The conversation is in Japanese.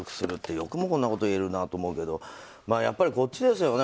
よくもこんなこと言えるなと思うけどやっぱりこっちですよね。